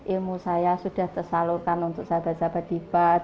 ilmu saya sudah tersalurkan untuk sahabat sahabat dibat